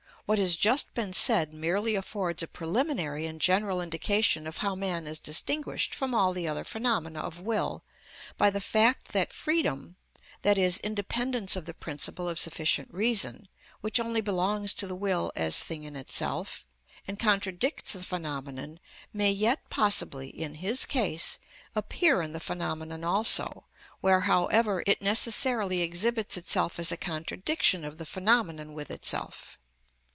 What has just been said merely affords a preliminary and general indication of how man is distinguished from all the other phenomena of will by the fact that freedom, i.e., independence of the principle of sufficient reason, which only belongs to the will as thing in itself, and contradicts the phenomenon, may yet possibly, in his case, appear in the phenomenon also, where, however, it necessarily exhibits itself as a contradiction of the phenomenon with itself.